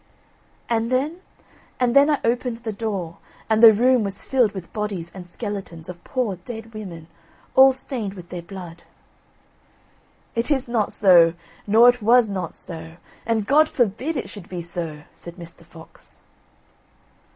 "And then and then I opened the door, and the room was filled with bodies and skeletons of poor dead women, all stained with their blood." "It is not so, nor it was not so. And God forbid it should be so," said Mr. Fox.